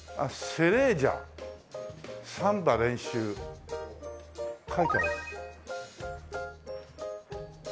「セレージャサンバ練習」書いてある。